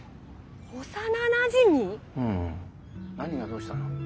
何がどうしたの？